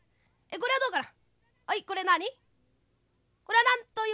これはどうかな？」。